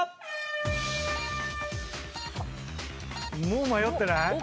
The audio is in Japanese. もう迷ってない？